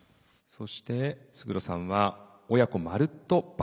そして勝呂さんは「親子まるっと伴走支援」。